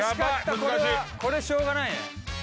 これはこれしょうがないね。